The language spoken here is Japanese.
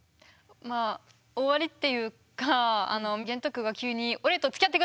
まあ終わりっていうか玄徳が急にって急に。